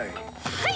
はい！